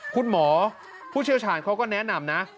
คุณหมอผู้เชี่ยวชาญเขาก็แนะนำนะ